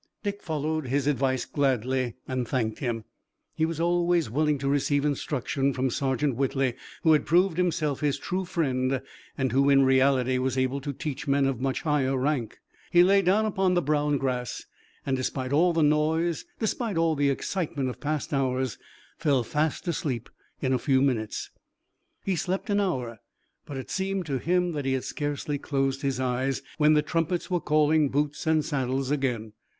Dick followed his advice gladly and thanked him. He was always willing to receive instruction from Sergeant Whitley, who had proved himself his true friend and who in reality was able to teach men of much higher rank. He lay down upon the brown grass, and despite all the noise, despite all the excitement of past hours, fell fast asleep in a few minutes. He slept an hour, but it seemed to him that he had scarcely closed his eyes, when the trumpets were calling boots and saddles again.